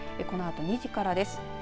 このあと２時からです。